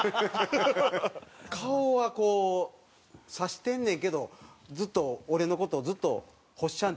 顔はこう察してんねんけど俺の事をずっとほっしゃん。